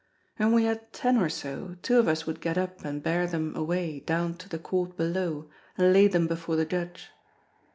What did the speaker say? When we had ten or so, two of us would get up and bear them away down to the Court below and lay them before the Judge.